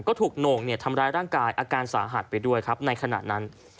ก็ถูกโหน่งทำร้ายร่างกายอาการสาหัสไปด้วยครับในขณะนั้น